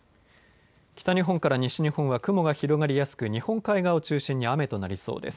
北日本から西日本は雲が広がりやすく日本海側を中心に雨となりそうです。